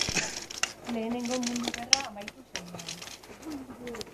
Lehenengo Mundu Gerra amaitu zenean.